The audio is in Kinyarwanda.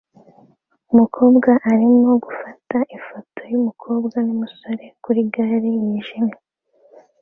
Umukobwa arimo gufata ifoto yumukobwa numusore kuri gare yijimye